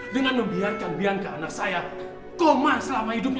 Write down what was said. dengan membiarkan bianca anak saya komat selama hidupnya